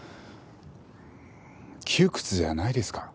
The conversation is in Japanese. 窮屈じゃないですか？